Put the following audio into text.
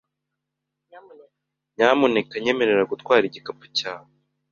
Nyamuneka nyemerera gutwara igikapu cyawe .